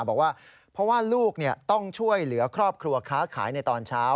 บอกว่าเพราะว่าลูกต้องช่วยเหลือครอบครัวค้าขายในตอนเช้า